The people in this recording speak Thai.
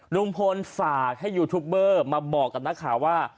ลุงพลฝากให้ยูทูปเบอร์มาบอกกับนักข่าวว่า